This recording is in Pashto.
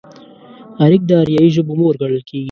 اريک د اريايي ژبو مور ګڼل کېږي.